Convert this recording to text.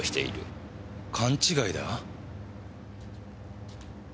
勘違いだ？